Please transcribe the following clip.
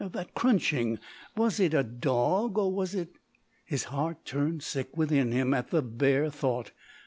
That crunching, was it a dog or was it ? His heart turned sick within him at the bare thought.